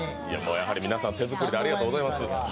皆さん、手作りでありがとうございます。